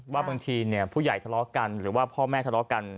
ว่าบางทีผู้ใหญ่ทะเลาะกันหรือว่าพ่อแม่ทะเลาะกัน